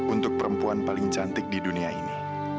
untuk perempuan paling cantik di dunia ini